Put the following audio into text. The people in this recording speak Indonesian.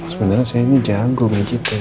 sebenarnya saya ini jago majidnya